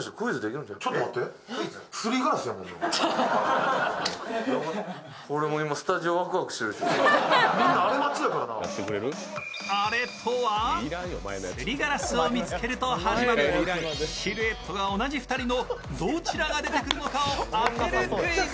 すりガラスを見つけると始まる、シルエットが同じ２人のどちらが出てくるのかを当てるクイズ。